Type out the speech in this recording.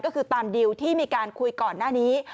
ก็คือตามดิวที่มีการคุยก่อนหน้านี้